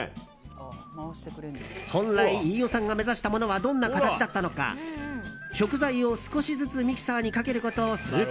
本来、飯尾さんが目指したのものはどんな形だったのか食材を少しずつミキサーにかけること数回。